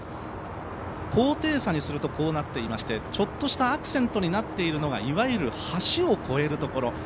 高低差にするとこうなっていまして、ちょっとしたアクセントになっているのがいわゆる橋を越えるところ。